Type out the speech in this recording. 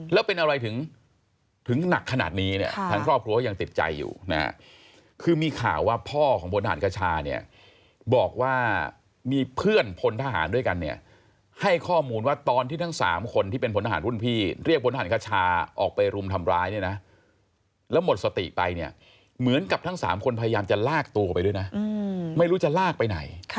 แล้วเป็นอะไรถึงหนักขนาดนี้เนี่ยทางครอบครัวก็ยังติดใจอยู่นะฮะคือมีข่าวว่าพ่อของพลทหารคชาเนี่ยบอกว่ามีเพื่อนพลทหารด้วยกันเนี่ยให้ข้อมูลว่าตอนที่ทั้ง๓คนที่เป็นพลทหารรุ่นพี่เรียกพลทหารคชาออกไปรุมทำร้ายเนี่ยนะแล้วหมดสติไปเนี่ยเหมือนกับทั้งสามคนพยายามจะลากตัวไปด้วยนะไม่รู้จะลากไปไหน